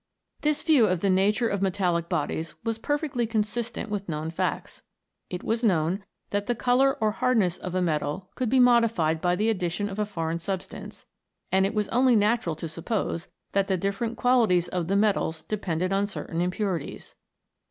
This view of the nature of metallic bodies was perfectly consistent with known facts. It was known that the colour or hardness of a metal could be modified by the addition of a foreign substance, and it was only natural to suppose that the dif ferent qualities of the metals depended on certain impurities.